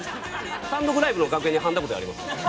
単独ライブの楽屋にはんだごてありますんで。